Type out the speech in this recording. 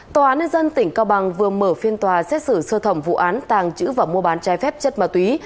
tòa án nhân dân tỉnh cao bằng vừa mở phiên tòa xét xử sơ thẩm vụ án tàng trữ và mua bán trái phép chất ma túy